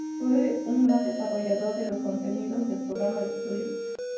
Fue un gran desarrollador de los contenidos del programa de estudios.